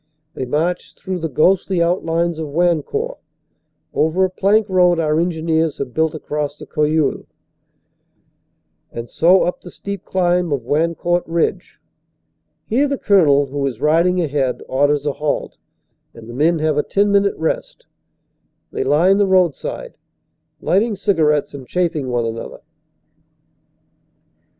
They march through the ghostly outlines of Wan court, over a plank road our engineers have built across the Cojeul, and so up the steep climb of Wancourt Ridge. Here the Colonel, who is riding ahead, orders a halt, and the men have a ten minute rest. They line the roadside, lighting cigar ettes and chaffing one another.